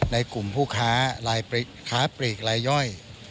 ในกลุ่มผู้ค้าปลีกลายย่อย